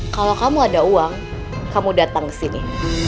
kalau kamu ada uang kamu datang ke sini